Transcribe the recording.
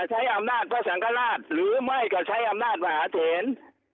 ใช้อำนาจพระสังฆราชหรือไม่ก็ใช้อำนาจมหาเถน